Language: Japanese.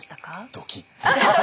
ドキッ。